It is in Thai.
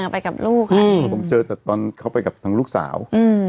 ไปกับลูกค่ะผมเจอแต่ตอนเขาไปกับทางลูกสาว